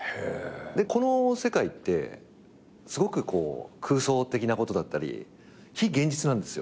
この世界ってすごく空想的なことだったり非現実なんですよ。